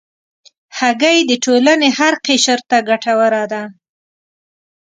هګۍ د ټولنې هر قشر ته ګټوره ده.